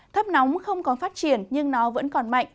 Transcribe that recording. thấp nóng không còn phát triển nhưng nó vẫn còn mạnh